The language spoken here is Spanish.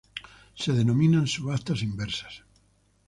Se denominan subastas inversas.